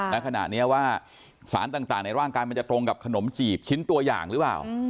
ณขณะนี้ว่าสารต่างในร่างกายมันจะตรงกับขนมจีบชิ้นตัวอย่างหรือเปล่า